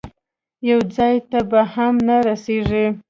یو ځای ته به هم نه رسېږي.